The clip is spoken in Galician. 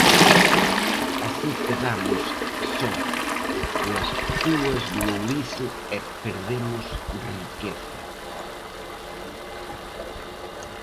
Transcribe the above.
Así quedamos só coas púas do ourizo e perdemos riqueza.